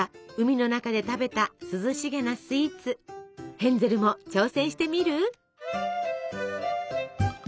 ヘンゼルも挑戦してみる？